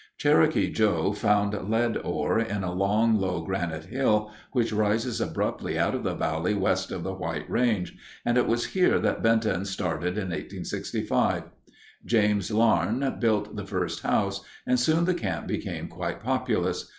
"Cherokee Joe" found lead ore in a long, low granite hill, which rises abruptly out of the valley west of the White Range, and it was here that Benton started in 1865. James Larne built the first house, and soon the camp became quite populous.